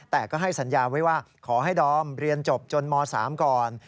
แต่ก็ให้สัญญาไว้ว่าขอให้ดอมเรียนจบจนม๓ก่อน